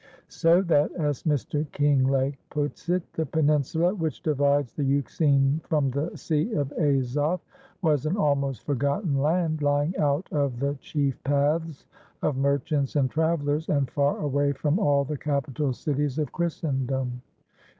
"So that," as Mr. Kinglake puts it, "the peninsula which divides the Euxine from the Sea of Azov was an almost forgotten land, lying out of the chief paths of merchants and travellers, and far away from all the capital cities of Christendom.